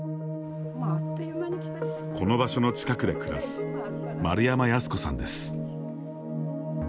この場所の近くで暮らす丸山安子さんです。